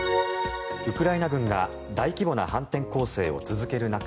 ウクライナ軍が大規模な反転攻勢を続ける中